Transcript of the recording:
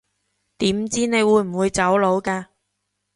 點知你會唔會走佬㗎